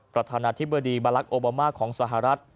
ประธานาธิบดีบาลักษโอบามาของสหรัฐ